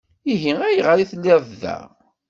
Ihi ayɣer i telliḍ da?